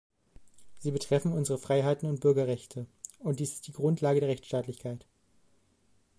Sie betreffen unsere Freiheiten und Bürgerrechte, und dies ist die Grundlage der Rechtsstaatlichkeit.